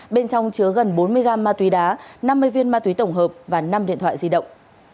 bên trong chứa gần bốn mươi gam ma túy đá năm mươi viên ma túy tổng hợp và năm điện thoại di động